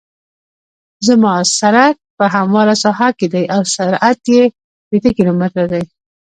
زما سرک په همواره ساحه کې دی او سرعت یې شپیته کیلومتره دی